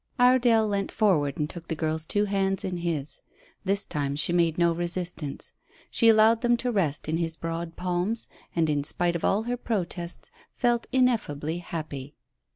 Iredale leant forward and took the girl's two hands in his. This time she made no resistance. She allowed them to rest in his broad palms, and, in spite of all her protests, felt ineffably happy.